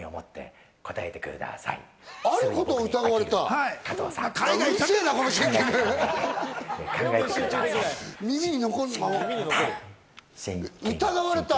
あることを疑われた？